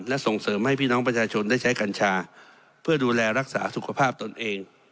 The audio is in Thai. และส่งเสริมให้พี่น้องประชาชนได้ใช้กัญชาเพื่อดูแลรักษาสุขภาพตนเอง